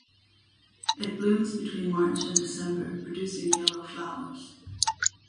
It blooms between March and December producing yellow flowers.